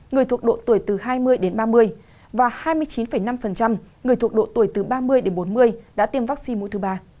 hai mươi chín chín người thuộc độ tuổi từ hai mươi đến ba mươi và hai mươi chín năm người thuộc độ tuổi từ ba mươi đến bốn mươi đã tiêm vaccine mũi thứ ba